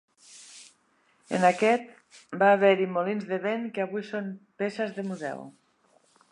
En aquest, va haver-hi molins de vent que avui són peces de museu.